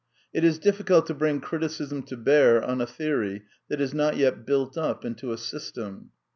It is diflScult to bring criticism to bear on a theory that is not yet built up into a system.